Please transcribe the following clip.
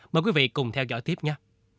mời quý vị cùng theo dõi tiếp nhé